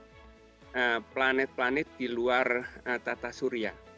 ada planet planet di luar tata surya